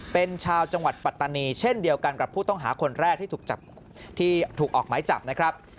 เป็นชาวจังหวัดปัตตานีเช่นเดียวกันกับผู้ต้องหาคนแรกที่ถูกออกหมายจับนะครับ